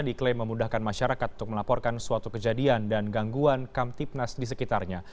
diklaim memudahkan masyarakat untuk melaporkan suatu kejadian dan gangguan kamtipnas di sekitarnya